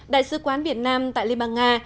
đại sứ quán việt nam tại liên bang nga